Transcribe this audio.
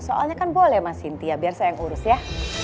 soalnya kan boleh mas sintia biar saya yang urus ya